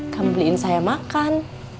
kamu beliin saya makan